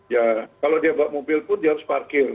ya kalau dia bawa mobil pun dia harus parkir